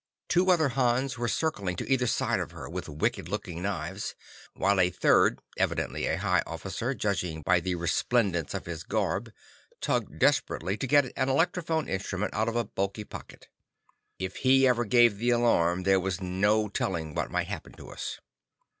Two other Hans were circling to either side of her with wicked looking knives, while a third evidently a high officer, judging by the resplendence of his garb tugged desperately to get an electrophone instrument out of a bulky pocket. If he ever gave the alarm, there was no telling what might happen to us.